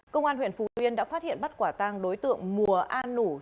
công an huyện phù yên đã phát hiện bắt quả tang đối tượng mùa an nủ